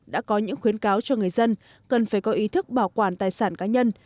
đã có những khuyến cáo cho người dân cần phải có ý thức bảo quản tài sản cá nhân